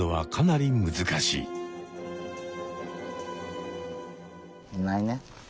いないね。